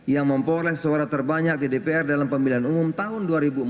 yang memperoleh suara terbanyak di dpr dalam pemilihan umum tahun dua ribu empat belas